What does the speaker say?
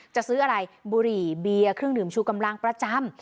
จะซื้ออะไรบุหรี่เบียร์เครื่องดื่มชูกำลังประจำ